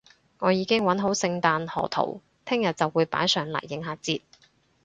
我已經搵好聖誕賀圖，聽日就會擺上嚟應下節